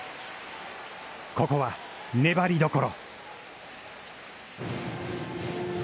ここは粘りどころ。